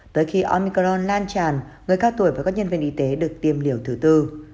tới khi omicron lan tràn người cao tuổi và các nhân viên y tế được tiêm liều thứ tư